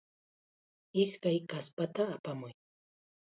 Ishkay kaspata apamuy.